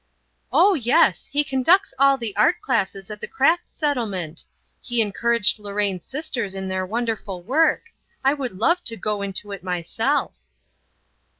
"Oh yes. He conducts all the art classes at the Crafts Settlement. He encouraged Lorraine's sisters in their wonderful work. I would love to go into it myself."